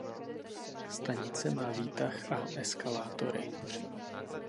Stanice má výtah a eskalátory.